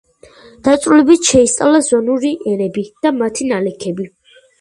დაწვრილებით შეისწავლა ზვავური ენები და მათი ნალექები.